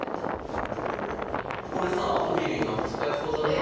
これさ尾鰭に使えそうじゃない？